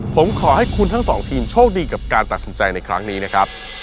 ผมขอให้คุณทั้งสองทีมโชคดีกับการตัดสินใจในครั้งนี้นะครับ